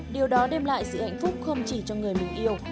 điều đó đem lại sự hạnh phúc không chỉ cho người mình yêu